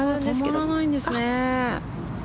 止まらないんですね。